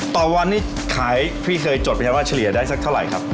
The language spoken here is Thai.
ต่อวันนี้ขายพี่เคยจดไหมครับว่าเฉลี่ยได้สักเท่าไหร่ครับ